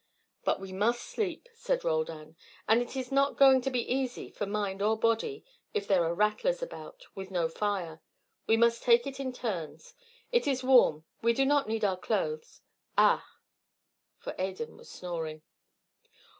"But we must sleep," said Roldan, "and it is not going to be easy for mind or body if there are rattlers about with no fire. We must take it in turns. It is warm; we do not need our clothes ah!" for Adan was snoring.